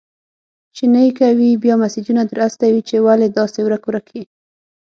چي نې کوې، بيا مسېجونه در استوي چي ولي داسي ورک-ورک يې؟!